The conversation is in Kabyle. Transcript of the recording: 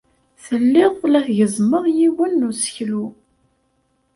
Telliḍ la tgezzmeḍ yiwen n useklu.